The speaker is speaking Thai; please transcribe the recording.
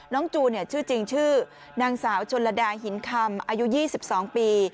จูนชื่อจริงชื่อนางสาวชนลดาหินคำอายุ๒๒ปี